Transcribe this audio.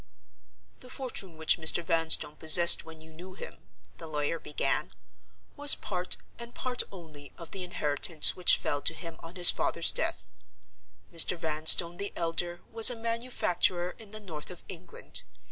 "The fortune which Mr. Vanstone possessed when you knew him" (the lawyer began) "was part, and part only, of the inheritance which fell to him on his father's death. Mr. Vanstone the elder was a manufacturer in the North of England.